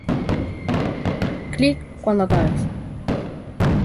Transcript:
Editó textos clásicos de Baltasar Gracián y Braulio Foz.